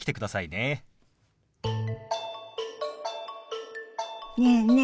ねえねえ